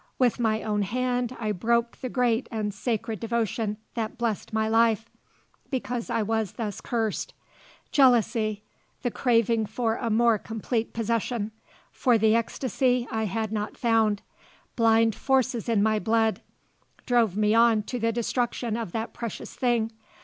With my own hand I broke the great and sacred devotion that blessed my life, because I was thus cursed. Jealousy, the craving for a more complete possession, for the ecstasy I had not found, blind forces in my blood, drove me on to the destruction of that precious thing.